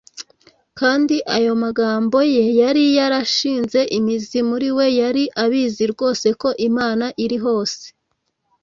Kandi ayo magambo ye yari yarashinze imizi muri we. Yari abizi rwose ko Imana iri hose,